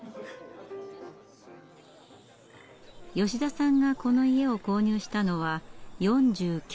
吉田さんがこの家を購入したのは４９歳の時。